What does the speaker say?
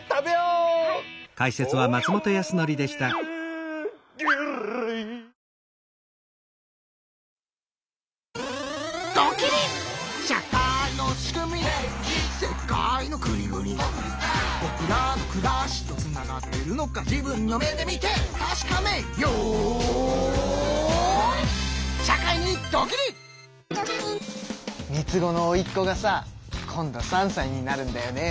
３つ子のおいっ子がさ今度３さいになるんだよね。